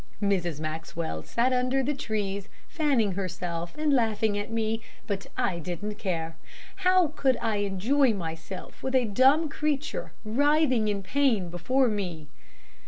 Mrs. Maxwell sat under the trees fanning herself and laughing at me, but I didn't care. How could I enjoy myself with a dumb creature writhing in pain before me?